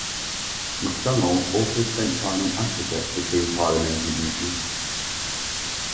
MacDonald also spent time in Africa between parliamentary duties.